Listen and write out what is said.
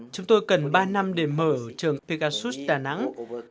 chúng tôi cần ba năm để mở trường pegasus đà nẵng